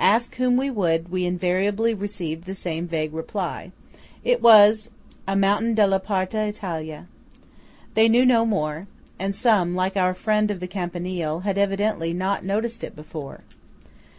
Ask whom we would, we invariably received the same vague reply–it was a, mountain "della parte d'Italia." They knew no more; and some, like our friend of the Campanile, had evidently "not noticed it before."